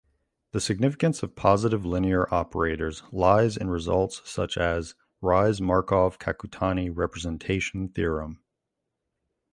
The significance of positive linear operators lies in results such as Riesz–Markov–Kakutani representation theorem.